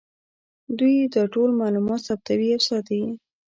دوی دا ټول معلومات ثبتوي او ساتي یې